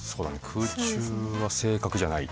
空中は正確じゃない。